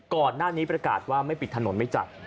ก่อนหน้านี้ประกาศว่าไม่ปิดถนนไม่จัด